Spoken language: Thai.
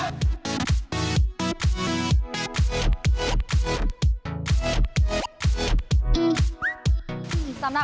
คุณผู้ชมค่ะ